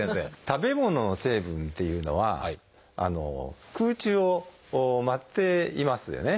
食べ物の成分っていうのは空中を舞っていますよね。